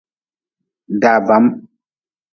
Da bam.